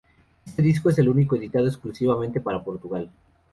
Este disco es el único editado exclusivamente para Portugal.